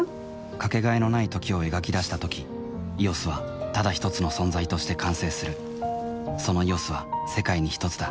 かけがえのない「時」を描き出したとき「ＥＯＳ」はただひとつの存在として完成するその「ＥＯＳ」は世界にひとつだ